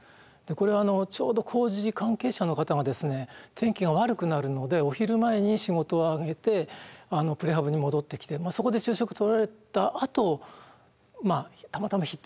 これはちょうど工事関係者の方がですね天気が悪くなるのでお昼前に仕事をあげてプレハブに戻ってきてそこで昼食とられたあとまあたまたまヒットしたという。